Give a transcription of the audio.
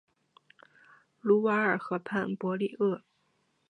卢瓦尔河畔博利厄。